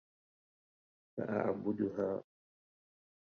فاعبديها!